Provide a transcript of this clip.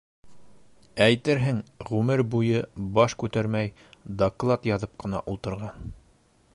Әйтерһең, ғүмере буйы баш күтәрмәй доклад яҙып ҡына ултырған.